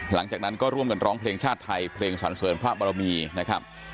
หลังจากนั้นก็ร่วมกันร้องเพลงชาติไทยเพลงสันเสริญพระบรมีนะครับ